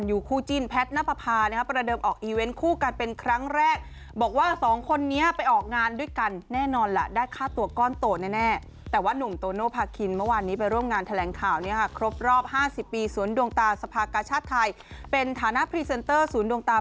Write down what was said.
อืมไปหาว่าอัพฆ่าตัวรึเปล่า